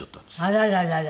あららららら。